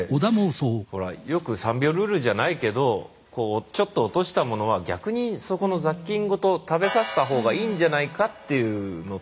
ほらよく３秒ルールじゃないけどちょっと落としたモノは逆にそこの雑菌ごと食べさせたほうがいいんじゃないかっていうのと。